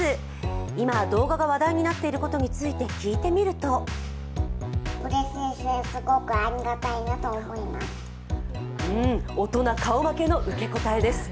今動画が話題になっていることについて聞いてみるとうん大人顔負けの受け答えです。